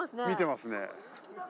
見てますね。